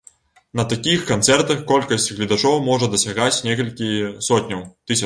На такіх канцэртах колькасць гледачоў можа дасягаць некалькі сотняў тысяч.